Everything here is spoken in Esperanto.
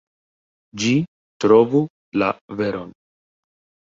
Ĝi trovu la veron.